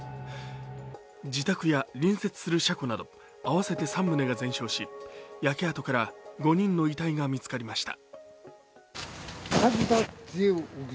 自宅や隣接する車庫など合わせて３棟が全焼し焼け跡から５人の遺体が見つかりました。